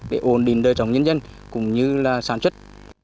để ổn định đời sống nhân dân cũng như là sản xuất